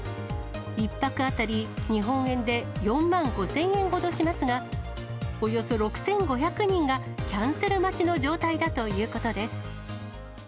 １泊当たり日本円で４万５０００円ほどしますが、およそ６５００人がキャンセル待ちの状態だということです。